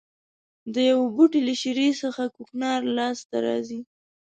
د یوه بوټي له شېرې څخه کوکنار لاس ته راځي.